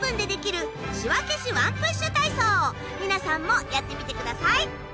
皆さんもやってみてください。